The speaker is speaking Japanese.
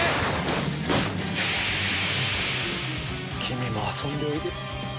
君も遊んでおいで。